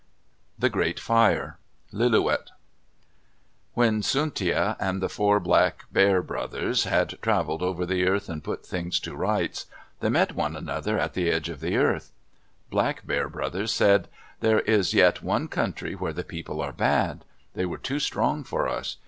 THE GREAT FIRE Lillooet When Tsuntia and the four Black Bear brothers had traveled over the earth and put things to rights, they met one another at the edge of the earth. Black Bear brothers said, "There is yet one country where the people are bad. They were too strong for us.